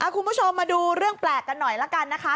คุณผู้ชมมาดูเรื่องแปลกกันหน่อยละกันนะคะ